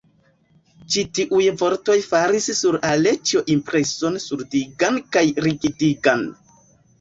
Ĉi tiuj vortoj faris sur Aleĉjo impreson surdigan kaj rigidigan.